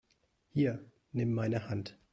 Hier, nimm meine Hand!